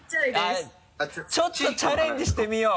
ちょっとチャレンジしてみよう！